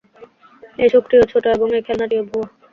এই সুখটিও ছোট, এবং এই খেলাটিও ভুয়া।